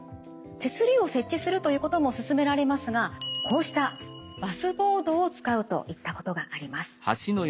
手すりを設置するということも勧められますがこうしたバスボードを使うといったことがあります。